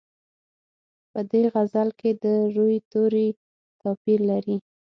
په دې غزل کې د روي توري توپیر لري.